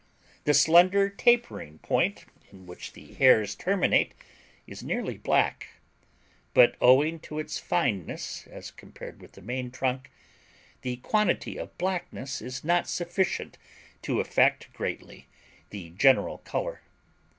The slender tapering point in which the hairs terminate is nearly black: but, owing to its fineness as compared with the main trunk, the quantity of blackness is not sufficient to affect greatly the general color.